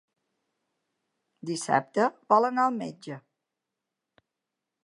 Dissabte vol anar al metge.